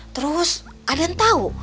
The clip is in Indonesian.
terus aden tau